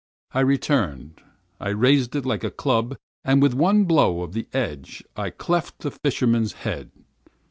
I returned; I raised it like a club, and with one blow of the edge I cleft the fisherman's head.